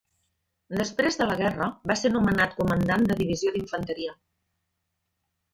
Després de la guerra, va ser nomenat comandant de divisió d'infanteria.